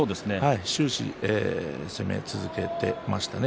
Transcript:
終始、攻め続けていましたね。